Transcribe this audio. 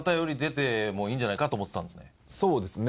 そうですね。